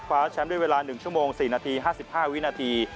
แชมป์ด้วยเวลา๑ชั่วโมง๔นาที๕๕วินาที